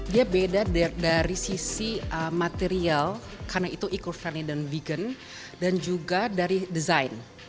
dia beda dari sisi material karena itu eco friendan vegan dan juga dari desain